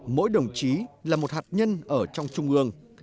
mỗi đồng chí là một hạt nhân ở trong trung ương